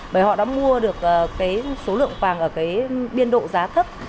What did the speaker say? và số lượng vàng ở biên độ giá thấp